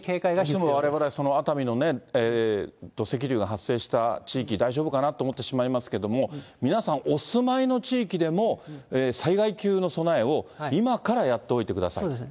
いつもわれわれ、熱海の土石流が発生した地域大丈夫かなと思ってしまいますけども、皆さんお住まいの地域でも、災害級の備えを今からやっておいてくそうですね。